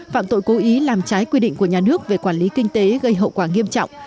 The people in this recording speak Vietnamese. phạm tội cố ý làm trái quy định của nhà nước về quản lý kinh tế gây hậu quả nghiêm trọng